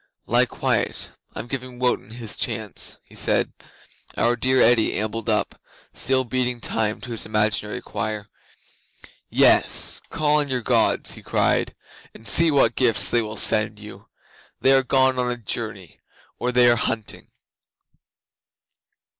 '"Lie quiet. I'm giving Wotan his chance," he said. Our dear Eddi ambled up, still beating time to his imaginary choir. '"Yes. Call on your Gods," he cried, "and see what gifts they will send you. They are gone on a journey, or they are hunting."